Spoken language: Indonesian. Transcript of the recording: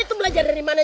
itu belajar dari mana